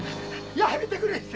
やめてくれ！